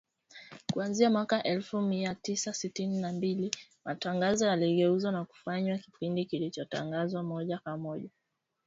Kuanzia mwaka elfu mia tisa sitini na mbili, matangazo yaligeuzwa na kufanywa kipindi kilichotangazwa moja kwa moja, kila siku kutoka Washington,